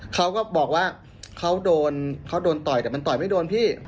เขาก็บอกว่าเขาโดนเขาโดนต่อยแต่มันต่อยไม่โดนพี่